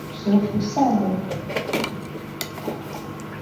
首府塞雷。